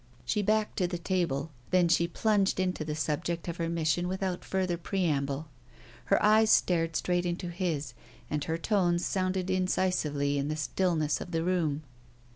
She backed to the table; then she plunged into the subject of her mission without further preamble. Her eyes stared straight into his, and her tones sounded incisively in the stillness of the room.